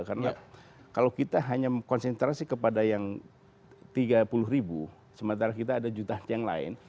karena kalau kita hanya konsentrasi kepada yang tiga puluh ribu sementara kita ada jutaan yang lain